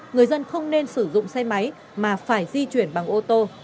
người dân không nên sử dụng xe máy mà phải di chuyển bằng ô tô